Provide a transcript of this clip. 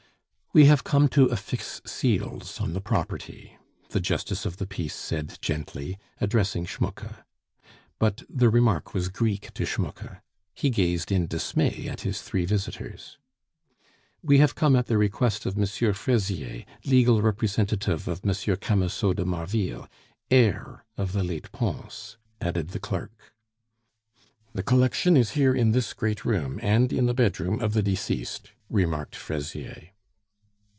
"We have come to affix seals on the property," the justice of the peace said gently, addressing Schmucke. But the remark was Greek to Schmucke; he gazed in dismay at his three visitors. "We have come at the request of M. Fraisier, legal representative of M. Camusot de Marville, heir of the late Pons " added the clerk. "The collection is here in this great room, and in the bedroom of the deceased," remarked Fraisier.